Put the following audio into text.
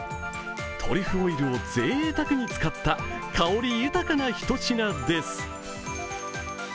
トリュフオイルをぜいたくに使った香り豊かなひと品です。